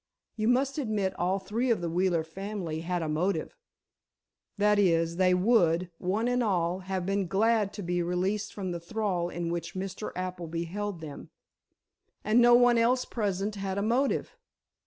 You must admit all three of the Wheeler family had a motive. That is, they would, one and all, have been glad to be released from the thrall in which Mr. Appleby held them. And no one else present had a motive!